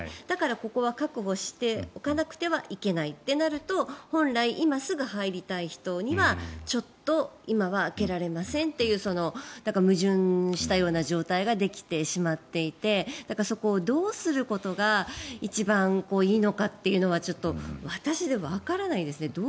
だからここは確保しておかなくてはいけないとなると本来今すぐ入りたい人にはちょっと今は空けられませんという矛盾したような状態ができてしまっていてそこをどうすることが一番いいのかというのはちょっと私はわからないですね。